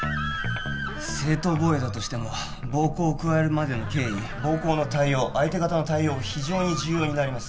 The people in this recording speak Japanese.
正当防衛だとしても暴行を加えるまでの経緯暴行の態様相手方の態様非常に重要になります